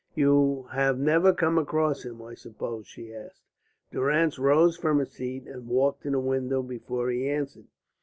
"You have never come across him, I suppose?" she asked. Durrance rose from his seat and walked to the window before he answered.